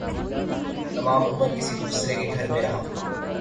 تمام عمر کسی دوسرے کے گھر میں رہا